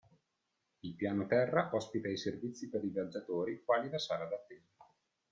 Il piano terra ospita i servizi per i viaggiatori quali la sala d’attesa.